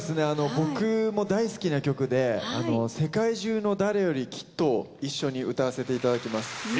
僕も大好きな曲で『世界中の誰よりきっと』を一緒に歌わせていただきます。